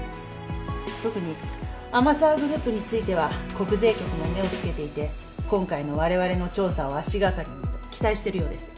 特に天沢グループについては国税局も目を付けていて今回のわれわれの調査を足掛かりに期待してるようです。